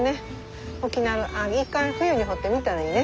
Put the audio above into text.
一回冬に掘ってみたらいいね。